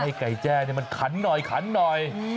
ให้ไก่แจ้เนี่ยมันขันหน่อยขันหน่อย